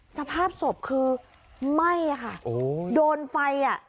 สภาพศพคือไหม้ค่ะ